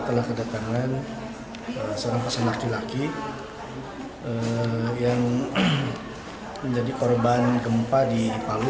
telah kedatangan seorang pasangan laki laki yang menjadi korban gempa di palu